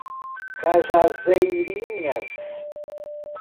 Cajazeirinhas